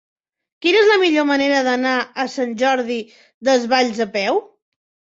Quina és la millor manera d'anar a Sant Jordi Desvalls a peu?